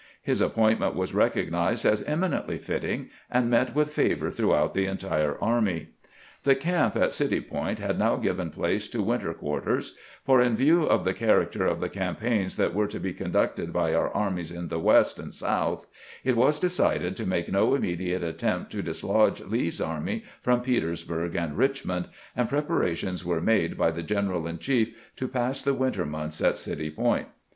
His appointment was recognized as eminently fitting, and met with favor throughout the entire army. The camp at City Point had now given place to winter quarters ; for in view of the character of the campaigns that were to be conducted by our armies in the West and South, it was decided to make no immediate attempt to dislodge Lee's army from Petersburg and Richmond, and preparations were made by the general in chief to pass the winter months at City Point.